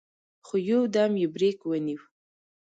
خو يودم يې برېک ونيو.